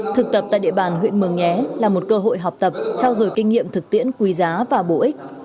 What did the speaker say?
thực tập tại địa bàn huyện mường nhé là một cơ hội học tập trao dồi kinh nghiệm thực tiễn quý giá và bổ ích